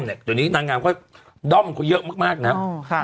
ตอนนี้นางงามด้อมเขาเยอะมากนะครับ